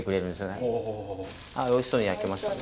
あっおいしそうに焼けましたね。